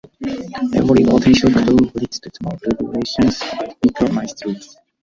Every potential clue leads to small revelations, but bigger mysteries.